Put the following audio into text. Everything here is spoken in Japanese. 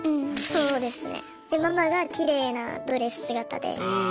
そうですね。